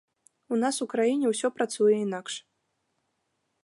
У нас у краіне ўсё працуе інакш.